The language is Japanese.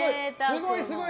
すごいすごい。